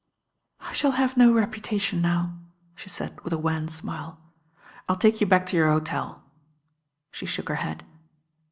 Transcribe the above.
"I shall have no reputation now," she said with a wan smile. "I'll take you back to your hotel" She shook her head.